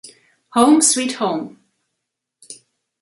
Home, sweet home!